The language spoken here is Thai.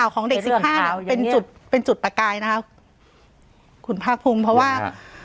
คุณภากภูมิเพราะว่า